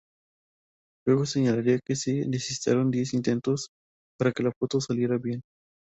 Luego señalaría que se necesitaron diez intentos para que la foto saliera bien.